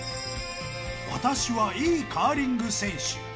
私はいいカーリング選手。